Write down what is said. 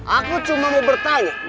aku cuma mau bertanya